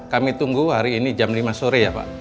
kami tunggu hari ini jam lima sore ya pak